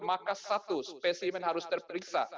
maka satu spesimen harus terperiksa